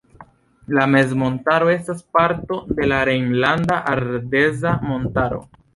La mezmontaro estas parto de la Rejnlanda Ardeza Montaro.